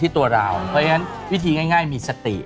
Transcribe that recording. ตัวเราเพราะฉะนั้นวิธีง่ายมีสติ